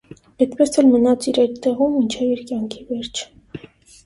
Էդպես էլ մնաց իր էդ տեղում մինչև իր կյանքի վերջը։